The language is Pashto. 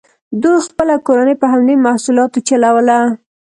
دوی خپله کورنۍ په همدې محصولاتو چلوله.